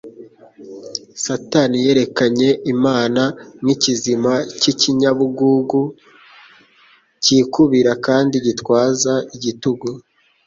Satani yerekanye Imana nk'ikizima cy'ikinyabugugu cyikubira kandi gitwaza igitugu,